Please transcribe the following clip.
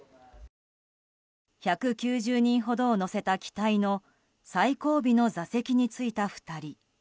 １９０人ほどを乗せた機体の最後尾の座席についた２人。